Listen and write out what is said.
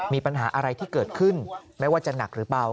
มีปัญหาอะไรที่เกิดขึ้นไม่ว่าจะหนักหรือเบา